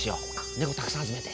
ネコたくさん集めて。